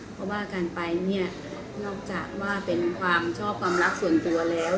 เพราะว่าการไปเนี่ยนอกจากว่าเป็นความชอบความรักส่วนตัวแล้ว